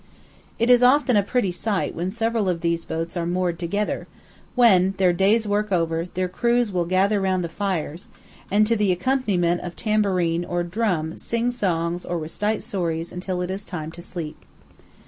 It is often a pretty sight when several of these boats are moored together, when, their day's work over, their crews will gather round the fires, and to the accompaniment of tambourine or drum sing songs or recite stories until it is time to sleep.